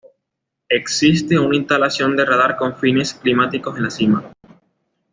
Existe una instalación de radar con fines climáticos en la cima.